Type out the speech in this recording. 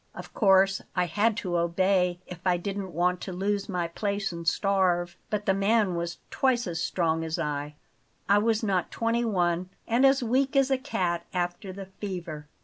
Of course I had to obey if I didn't want to lose my place and starve; but the man was twice as strong as I I was not twenty one and as weak as a cat after the fever.